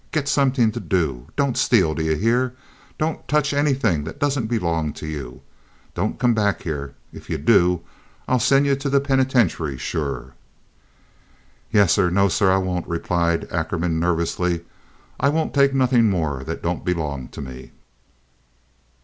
Get something to do! Don't steal, do you hear? Don't touch anything that doesn't belong to you! Don't come back here! If you do, I'll send you to the penitentiary, sure." "Yassah! No, sah, I won't," replied Ackerman, nervously. "I won't take nothin' more that don't belong tuh me."